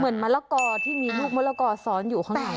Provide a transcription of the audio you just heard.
เหมือนมะละกอที่มีหมวกมะละกอซ้อนอยู่ข้างใน